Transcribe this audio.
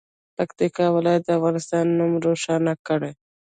پکتیکا ولایت د افغانستان نوم روښانه کړي.